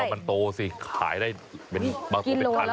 โหราคมันโตสิขายได้เป็นบางส่วนแต่คันเลยนะ